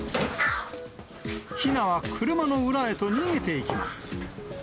ひなは車の裏へと逃げていきます。